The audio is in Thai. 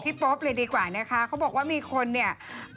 โป๊ปเลยดีกว่านะคะเขาบอกว่ามีคนเนี่ย